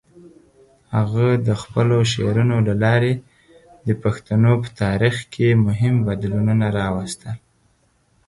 هغه د خپلو شعرونو له لارې د پښتنو په تاریخ کې مهم بدلونونه راوستل.